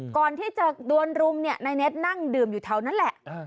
ก่อนที่จะโดนรุมเนี่ยนายเน็ตนั่งดื่มอยู่แถวนั้นแหละ